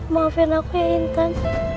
maafin aku ya intan